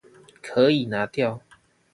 可以拿掉